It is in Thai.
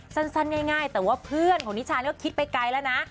สั้นง่ายแต่ว่าเพื่อนของนิชาก็คิดไปไกลแล้วนะ